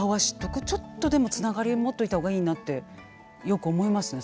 ちょっとでもつながりを持っといた方がいいなってよく思いますね